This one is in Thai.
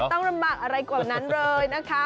ต้องลำบากอะไรกว่านั้นเลยนะคะ